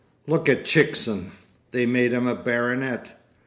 Look at Chickson—they made him a baronet.